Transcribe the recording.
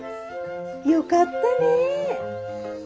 よかったねえ。